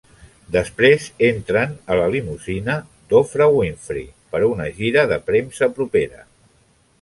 Després entren a la limusina d'Oprah Winfrey per a una gira de premsa propera.